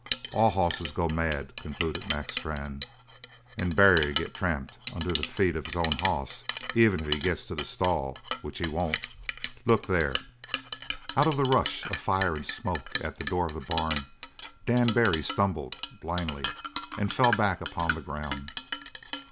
"All hosses goes mad," concluded Mac Strann, "an' Barry'll get tramped under the feet of his own hoss even if he gets to the stall which he won't. Look there!" Out of the rush of fire and smoke at the door of the barn Dan Barry stumbled, blindly, and fell back upon the ground.